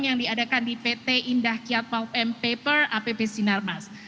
yang diadakan di pt indah kiat pulp and paper ipp sinarmas